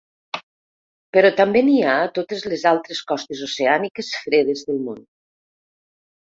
Però també n’hi ha a totes les altres costes oceàniques fredes del món.